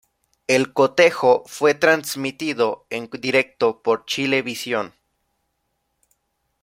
El cotejo fue transmitido en directo por Chilevisión.